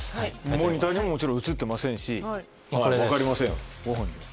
モニターにももちろん映ってませんし分かりません。